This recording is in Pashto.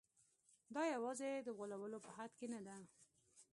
دا یوازې د غولولو په حد کې نه ده.